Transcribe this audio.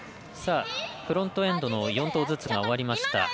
フロントエンドの４投ずつが終わりました。